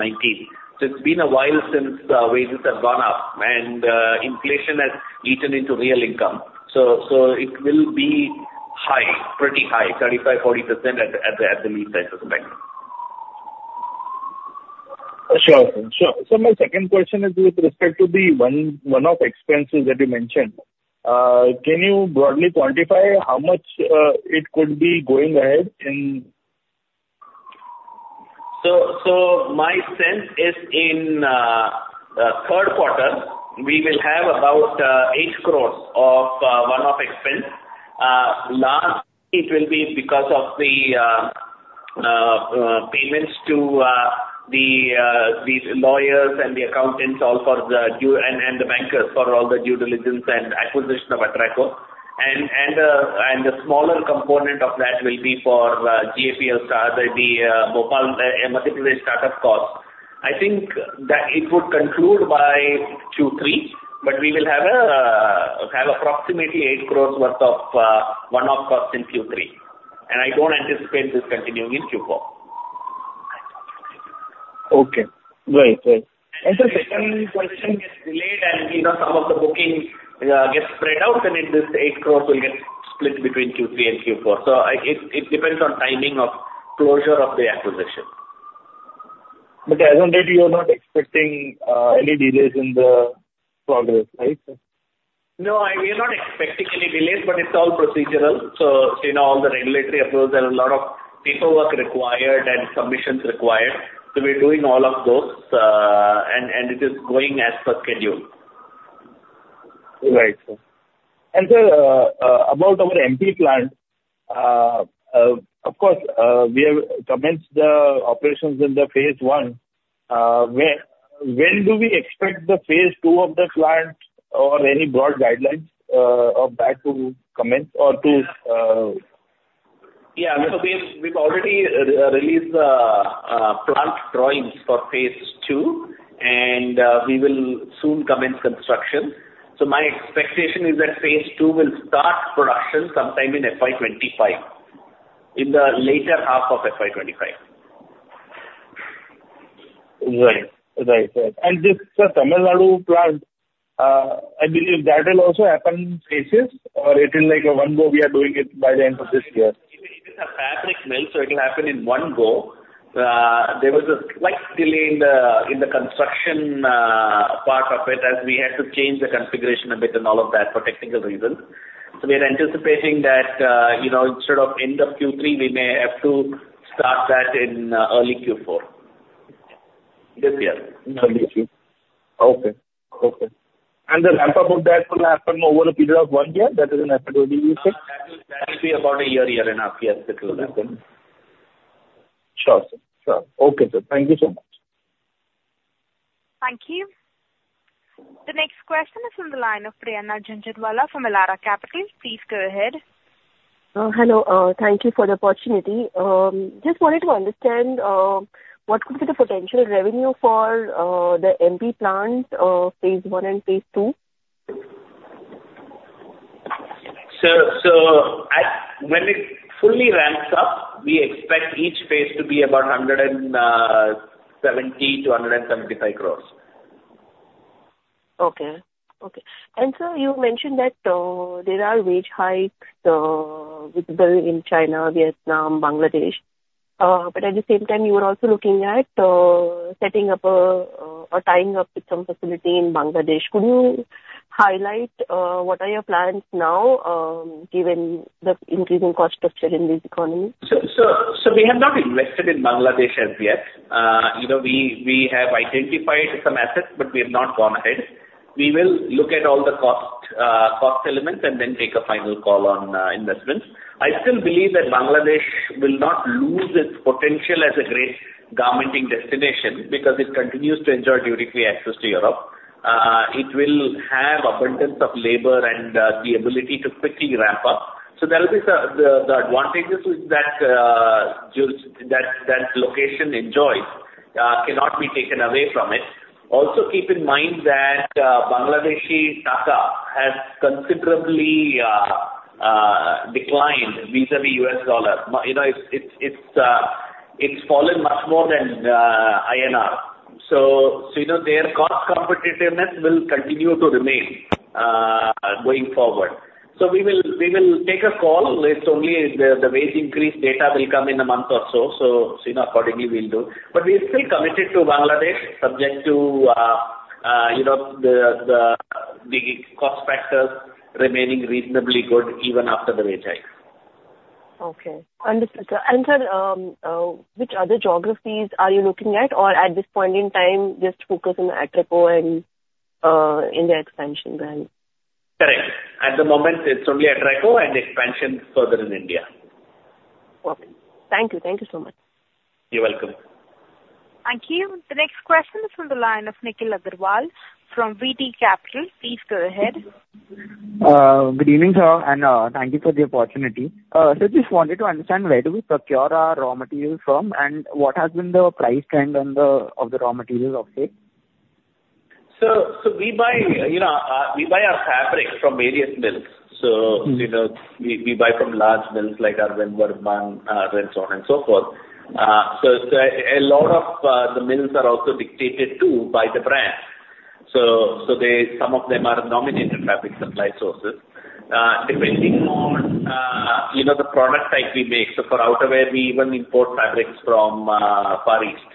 So it's been a while since the wages have gone up, and inflation has eaten into real income. So it will be high, pretty high, 35%-40% at the least, I suspect. Sure. Sure. So my second question is with respect to the one, one-off expenses that you mentioned. Can you broadly quantify how much it could be going ahead in? So my sense is in third quarter, we will have about 8 crores of one-off expense. Largely it will be because of the payments to these lawyers and the accountants, all for the due, and the bankers for all the due diligence and acquisition of Atraco. And the smaller component of that will be for CapEx, the Bhopal Acharpura startup cost. I think that it would conclude by Q3, but we will have approximately 8 crores worth of one-off costs in Q3, and I don't anticipate this continuing in Q4. Okay. Right. Right. If any question gets delayed and, you know, some of the bookings get spread out, then this 8 crore will get split between Q3 and Q4. So it depends on timing of closure of the acquisition. As on date, you are not expecting any delays in the progress, right? No, we are not expecting any delays, but it's all procedural. So, you know, all the regulatory approvals, there are a lot of paperwork required and submissions required. So we're doing all of those, and it is going as per schedule. Right. And, sir, about our MP plant, of course, we have commenced the operations in the phase one. When do we expect the phase two of the plant or any broad guidelines of that to commence or to- Yeah. So we've already released plant drawings for phase two, and we will soon commence construction. So my expectation is that phase two will start production sometime in FY 2025, in the later half of FY 2025. Right. Right. This Tamil Nadu plant? I believe that will also happen in phases, or it will like in one go, we are doing it by the end of this year? It is a fabric mill, so it will happen in one go. There was a slight delay in the construction part of it, as we had to change the configuration a bit and all of that for technical reasons. So we are anticipating that, you know, instead of end of Q3, we may have to start that in early Q4 this year. Okay. Okay. And the ramp up of that will happen over a period of one year? That is an estimate that you said. That will be about a year, year and a half. Yes, it will happen. Sure, sir. Sure. Okay, sir, thank you so much. Thank you. The next question is from the line of Prerna Jhunjhunwala from Elara Capital. Please go ahead. Hello. Thank you for the opportunity. Just wanted to understand what could be the potential revenue for the MP plant, phase one and phase two? So, when it fully ramps up, we expect each phase to be about 170 crores-175 crores. Okay. Okay. And, sir, you mentioned that there are wage hikes will be in China, Vietnam, Bangladesh, but at the same time, you are also looking at setting up a tying up with some facility in Bangladesh. Could you highlight what are your plans now, given the increasing cost structure in this economy? So we have not invested in Bangladesh as yet. You know, we have identified some assets, but we have not gone ahead. We will look at all the cost elements and then take a final call on investments. I still believe that Bangladesh will not lose its potential as a great garmenting destination, because it continues to enjoy duty-free access to Europe. It will have abundance of labor and the ability to quickly ramp up. So there will be the advantages which that location enjoys cannot be taken away from it. Also, keep in mind that Bangladeshi Taka has considerably declined vis-a-vis U.S. dollar. You know, it's fallen much more than INR. So you know, their cost competitiveness will continue to remain going forward. So we will take a call. It's only the wage increase data will come in a month or so. So, you know, accordingly we'll do. But we are still committed to Bangladesh, subject to, you know, the cost factors remaining reasonably good even after the wage hike. Okay, understood. And, sir, which other geographies are you looking at, or at this point in time, just focus on Atraco and, India expansion brand? Correct. At the moment, it's only Atraco and expansion further in India. Okay. Thank you. Thank you so much. You're welcome. Thank you. The next question is from the line of Nikhil Agarwal from VT Capital. Please go ahead. Good evening, sir, and thank you for the opportunity. Just wanted to understand, where do we procure our raw materials from, and what has been the price trend of the raw materials of late? So, we buy, you know, we buy our fabric from various mills. Mm-hmm. So, you know, we buy from large mills like Arvind Limited and so on and so forth. So a lot of the mills are also dictated to by the brand. So they... Some of them are nominated fabric supply sources. Depending on you know, the product type we make, so for outerwear, we even import fabrics from Far East.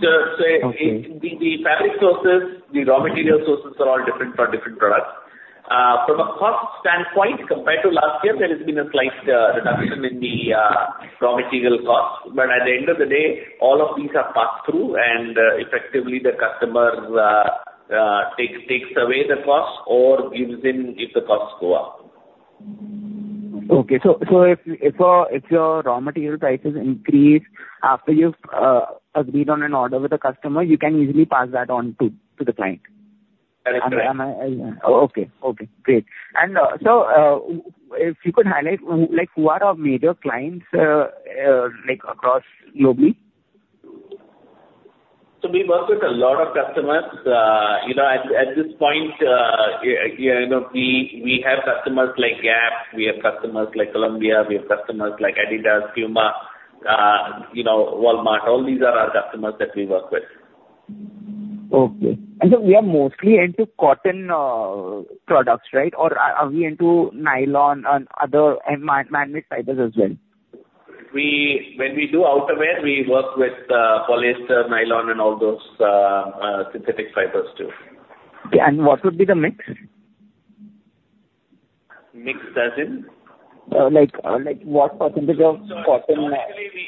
Okay. So, the fabric sources, the raw material sources are all different for different products. From a cost standpoint, compared to last year, there has been a slight reduction in the raw material costs. But at the end of the day, all of these are passed through and effectively the customers takes away the costs or gives in if the costs go up. Okay. So, if your raw material prices increase after you've agreed on an order with a customer, you can easily pass that on to the client? That is correct. Okay. Okay, great. And so, if you could highlight, like, who are our major clients, like across globally? We work with a lot of customers. You know, at this point, you know, we have customers like Gap, we have customers like Columbia, we have customers like adidas, Puma, you know, Walmart. All these are our customers that we work with. Okay. And so we are mostly into cotton, products, right? Or are we into nylon and other man-made fibers as well? When we do outerwear, we work with polyester, nylon, and all those synthetic fibers, too. Yeah, and what would be the mix? Mix, as in? Like, like what percentage of cotton-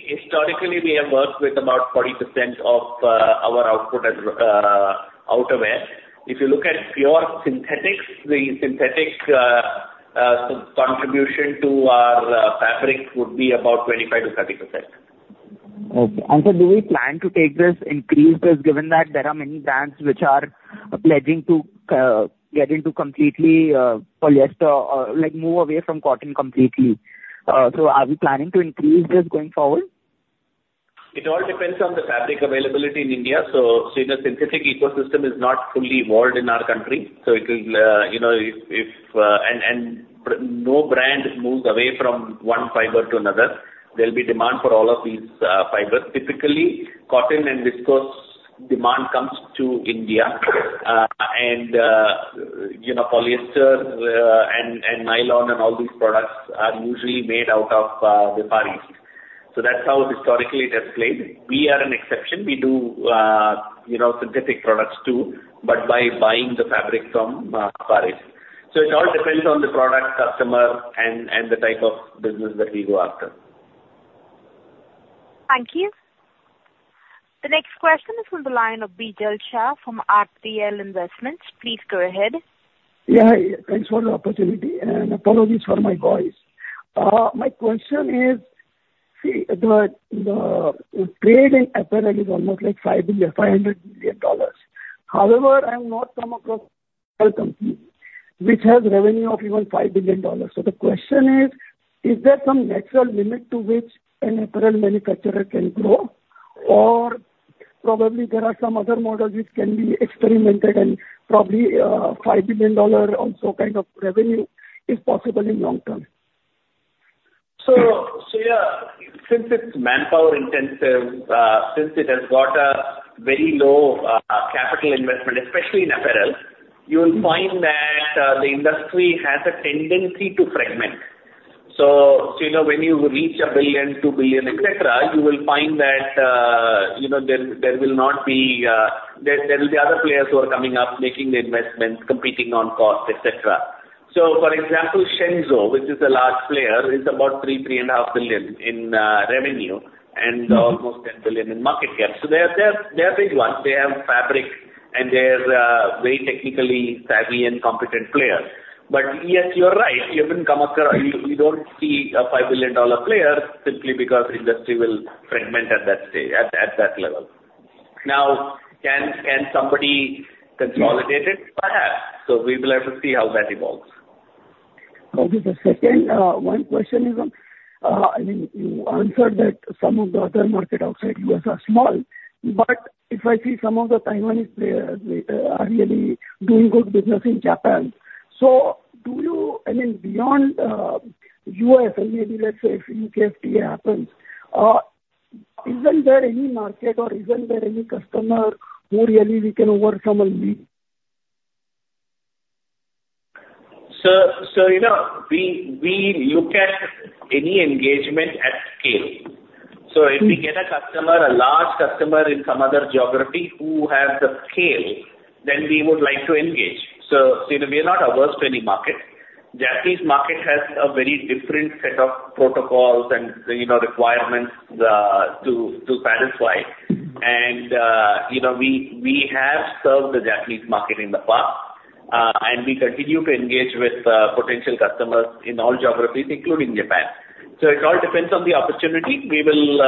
Historically, we have worked with about 40% of our output as outerwear. If you look at pure synthetics, the synthetics contribution to our fabrics would be about 25%-30%. Okay. And sir, do we plan to take this increase? Because given that there are many brands which are pledging to get into completely polyester or, like, move away from cotton completely. So are we planning to increase this going forward? It all depends on the fabric availability in India. So the synthetic ecosystem is not fully evolved in our country, so it will, you know, if... And no brand moves away from one fiber to another... There'll be demand for all of these fibers. Typically, cotton and viscose demand comes to India. And you know, polyester and nylon, and all these products are usually made out of the Far East. So that's how historically it has played. We are an exception. We do, you know, synthetic products, too, but by buying the fabric from Far East. So it all depends on the product, customer, and the type of business that we go after. Thank you. The next question is from the line of Bijal Shah from RTL Investments. Please go ahead. Yeah, thanks for the opportunity, and apologies for my voice. My question is, the, the trade in apparel is almost like $5.5 billion. However, I have not come across any company which has revenue of even $5 billion. So the question is: Is there some natural limit to which an apparel manufacturer can grow? Or probably there are some other models which can be experimented and probably, $5 billion also kind of revenue is possible in long term. So yeah, since it's manpower intensive, since it has got a very low capital investment, especially in apparel, you will find that the industry has a tendency to fragment. So you know, when you reach $1 billion, $2 billion, et cetera, you will find that you know, there will not be... There will be other players who are coming up, making the investments, competing on cost, et cetera. So for example, Shenzhou, which is a large player, is about $3 billion-$3.5 billion in revenue and almost $10 billion in market cap. So they're big ones. They have fabric, and they're very technically savvy and competent players. But yes, you are right. You haven't come across... You don't see a $5 billion player simply because industry will fragment at that stage, at that level. Now, can somebody consolidate it? Perhaps. So we will have to see how that evolves. Okay. The second one question is on, I mean, you answered that some of the other market outside US are small, but if I see some of the Taiwanese players are really doing good business in Japan. So do you, I mean, beyond U.S. and maybe let's say if U.K. FTA happens, isn't there any market or isn't there any customer who really we can overcome only? So, you know, we look at any engagement at scale. So if we get a customer, a large customer in some other geography who has the scale, then we would like to engage. So we are not averse to any market. Japanese market has a very different set of protocols and, you know, requirements to satisfy. And, you know, we have served the Japanese market in the past, and we continue to engage with potential customers in all geographies, including Japan. So it all depends on the opportunity. We will,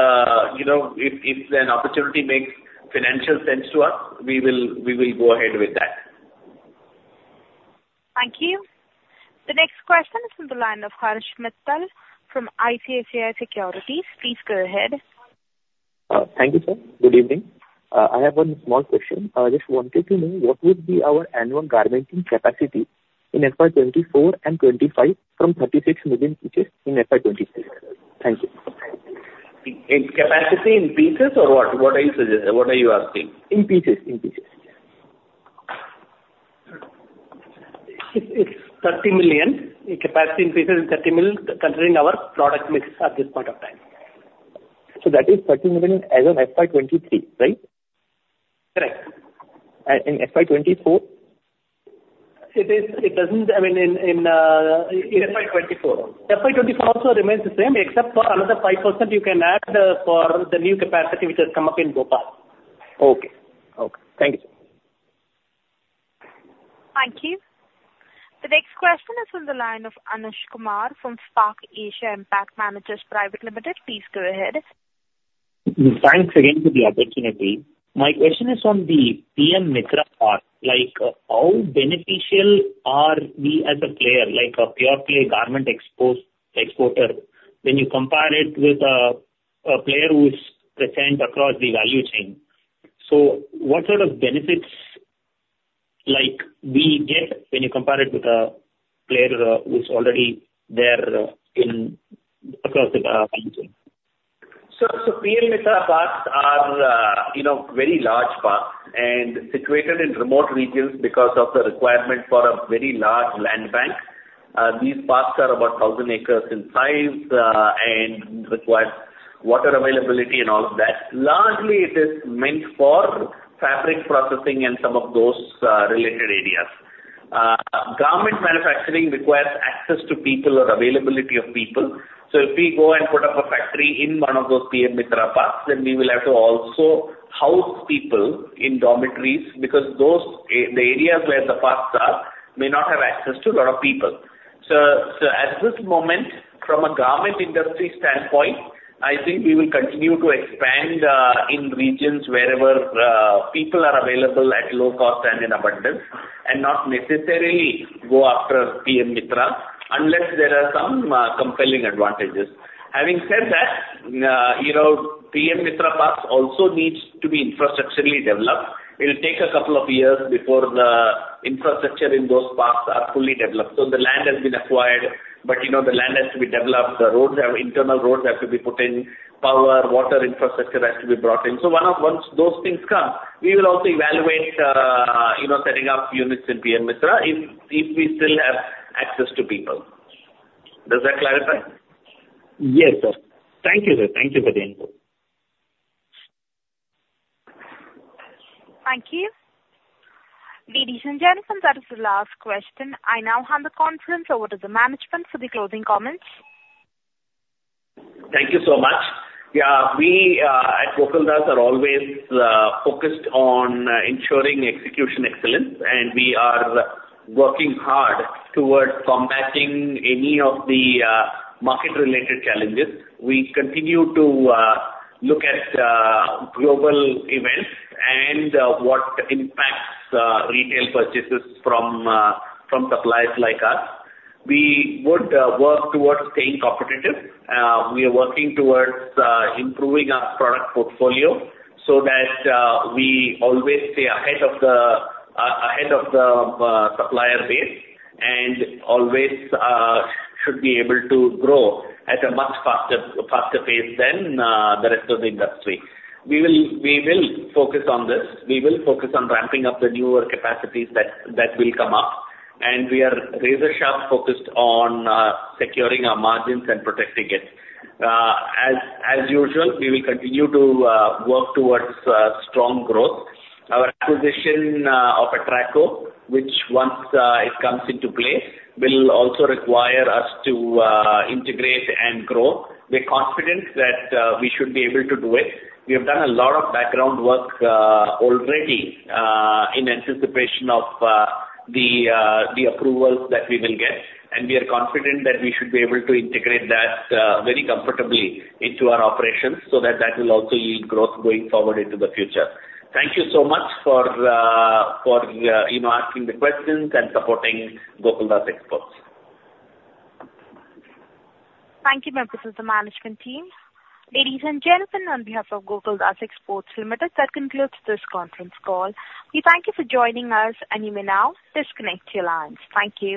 you know, if an opportunity makes financial sense to us, we will go ahead with that. Thank you. The next question is from the line of Harish Mittal from ICICI Securities. Please go ahead. Thank you, sir. Good evening. I have one small question. I just wanted to know what would be our annual garmenting capacity in FY 2024 and 2025 from 36 million pieces in FY 2023? Thank you. In capacity in pieces or what? What are you suggesting? What are you asking? In pieces, in pieces. It's 30 million. In capacity in pieces, it's 30 million, considering our product mix at this point of time. So that is 30 million as of FY 2023, right? Correct. In FY 2024? It is, it doesn't... I mean, in- In FY 2024. FY 2024 also remains the same, except for another 5% you can add for the new capacity which has come up in Bhopal. Okay. Okay. Thank you. Thank you. The next question is from the line of Anuj Kumar from Spark Asia Impact Managers Private Limited. Please go ahead. Thanks again for the opportunity. My question is on the PM MITRA part, like, how beneficial are we as a player, like a pure play garment exporter, when you compare it with a player who is present across the value chain? So what sort of benefits, like, we get when you compare it with a player who's already there in across the value chain? So, PM MITRA parks are, you know, very large parks and situated in remote regions because of the requirement for a very large land bank. These parks are about 1,000 acres in size, and require water availability and all of that. Largely, it is meant for fabric processing and some of those, related areas. Garment manufacturing requires access to people or availability of people. So if we go and put up a factory in one of those PM MITRA parks, then we will have to also house people in dormitories, because the areas where the parks are may not have access to a lot of people. So, at this moment, from a garment industry standpoint, I think we will continue to expand in regions wherever people are available at low cost and in abundance, and not necessarily go after PM MITRA unless there are some compelling advantages. Having said that, you know, PM MITRA parks also needs to be infrastructurally developed. It'll take a couple of years before the infrastructure in those parks are fully developed. So the land has been acquired, but, you know, the land has to be developed. Internal roads have to be put in. Power, water infrastructure has to be brought in. Once those things come, we will also evaluate, you know, setting up units in PM MITRA if we still have access to people. Does that clarify? Yes, sir. Thank you, sir. Thank you for the input. Thank you. Ladies and gentlemen, that is the last question. I now hand the conference over to the management for the closing comments. Thank you so much. Yeah, we at Gokaldas are always focused on ensuring execution excellence, and we are working hard towards combating any of the market-related challenges. We continue to look at global events and what impacts retail purchases from suppliers like us. We would work towards staying competitive. We are working towards improving our product portfolio so that we always stay ahead of the supplier base, and always should be able to grow at a much faster, faster pace than the rest of the industry. We will focus on this. We will focus on ramping up the newer capacities that will come up, and we are razor-sharp focused on securing our margins and protecting it. As usual, we will continue to work towards strong growth. Our acquisition of Atraco, which once it comes into place, will also require us to integrate and grow. We're confident that we should be able to do it. We have done a lot of background work already in anticipation of the approvals that we will get, and we are confident that we should be able to integrate that very comfortably into our operations, so that that will also yield growth going forward into the future. Thank you so much for you know, asking the questions and supporting Gokaldas Exports. Thank you, members of the management team. Ladies and gentlemen, on behalf of Gokaldas Exports Limited, that concludes this conference call. We thank you for joining us, and you may now disconnect your lines. Thank you.